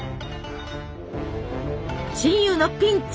親友のピンチ！